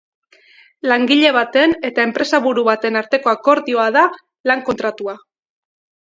Langile baten eta enpresaburu baten arteko akordioa da lan kontratua.